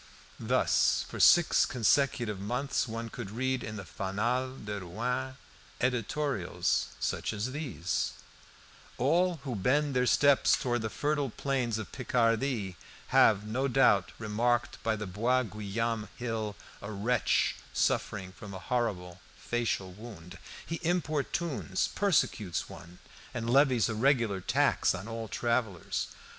Thus, for six consecutive months, one could read in the "Fanal de Rouen" editorials such as these "All who bend their steps towards the fertile plains of Picardy have, no doubt, remarked, by the Bois Guillaume hill, a wretch suffering from a horrible facial wound. He importunes, persecutes one, and levies a regular tax on all travellers.